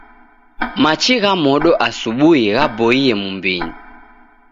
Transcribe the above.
Machi gha modo asubui ghaboie mumbinyi